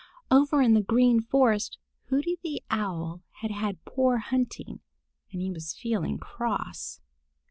Over in the Green Forest Hooty the Owl had had poor hunting, and he was feeling cross.